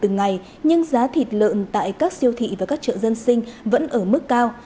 ngày nhưng giá thịt lợn tại các siêu thị và các chợ dân sinh vẫn ở mức cao